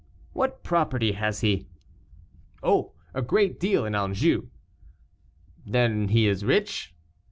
"What property has he?" "Oh! a great deal in Anjou." "Then he is rich?"